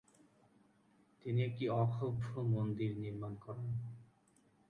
তিনি একটি অক্ষোভ্য মন্দির নির্মাণ করান।